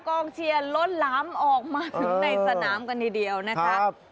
กองเชียร์ล้นหลามออกมาถึงในสนามกันทีเดียวนะครับ